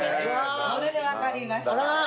それで分かりました。